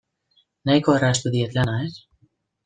Nahiko erraztu diet lana, ez?